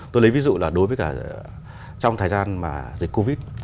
tôi lấy ví dụ là đối với cả trong thời gian mà dịch covid